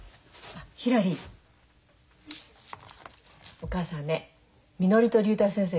お母さんねみのりと竜太先生